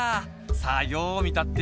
さあようみたってや。